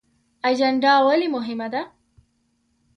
اجنډا ولې مهمه ده؟